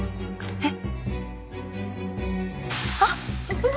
えっ？